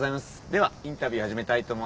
ではインタビュー始めたいと思います。